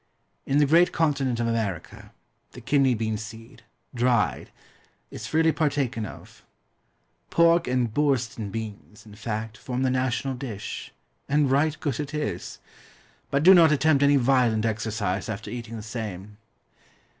In the great continent of America, the kidney bean seed, dried, is freely partaken of. Pork and "Borston" beans, in fact, form the national dish, and right good it is. But do not attempt any violent exercise after eating the same.